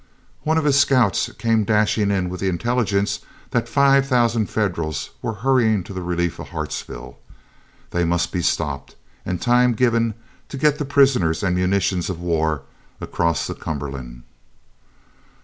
One of his scouts came dashing in with the intelligence that five thousand Federals were hurrying to the relief of Hartsville. They must be stopped, and time given to get the prisoners and munitions of war across the Cumberland.